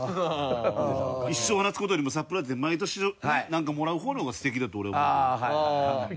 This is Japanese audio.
一生同じ事よりもサプライズで毎年ねなんかもらう方のが素敵だと俺は思うよ。